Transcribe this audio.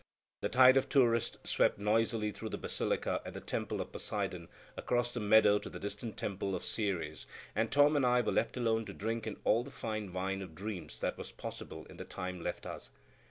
The tide of tourists swept noisily through the Basilica and the temple of Poseidon across the meadow to the distant temple of Ceres, and Tom and I were left alone to drink in all the fine wine of dreams that was possible in the time left us.